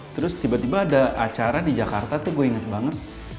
terus tiba tiba ada acara di jakarta tuh gue inget banget